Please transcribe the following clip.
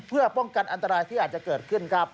เพื่อป้องกันอันตรายที่อาจจะเกิดขึ้นครับ